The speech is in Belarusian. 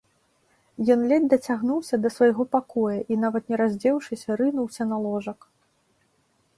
Ён ледзь дацягнуўся да свайго пакоя і, нават не раздзеўшыся, рынуўся на ложак.